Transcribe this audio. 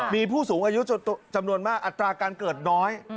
มีผู้สูงอายุจำนวนมากอัตราการเกิดน้อย